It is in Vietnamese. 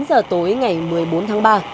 chín giờ tối ngày một mươi bốn tháng ba